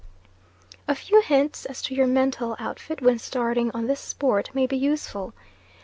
A few hints as to your mental outfit when starting on this sport may be useful.